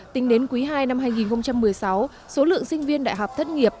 tính đến quý ii năm hai nghìn một mươi sáu số lượng sinh viên đại học thất nghiệp